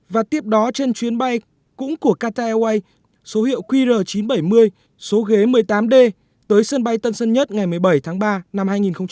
và tiếp đó trên chuyến bay cũng của qatar airways số hiệu qr chín trăm bảy mươi số ghế một mươi tám d tới sân bay tân sơn nhất ngày một mươi bảy tháng ba năm hai nghìn hai mươi